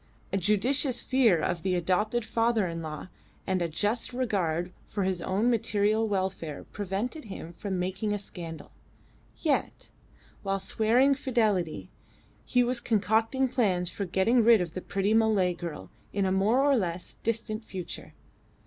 A judicious fear of the adopted father in law and a just regard for his own material welfare prevented him from making a scandal; yet, while swearing fidelity, he was concocting plans for getting rid of the pretty Malay girl in a more or less distant future.